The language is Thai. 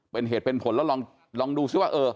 เป็นเหตุเป็นผลแล้วลองดูซิว่า